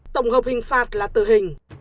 tổng hợp hình phạt là tử hình